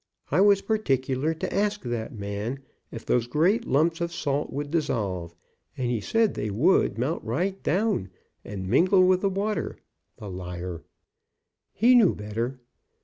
I was particular to ask that man if those great lumps of salt would dissolve, and he said they would melt right down, and mingle with the SALT WATER BATHS FOR HIVES 123 water, the liar. He knew better.